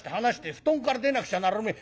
布団から出なくちゃならねえ。